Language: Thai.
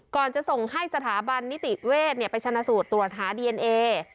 จะส่งให้สถาบันนิติเวชไปชนะสูตรตรวจหาดีเอนเอ